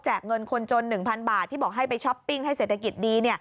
เงินคนจน๑๐๐บาทที่บอกให้ไปช้อปปิ้งให้เศรษฐกิจดี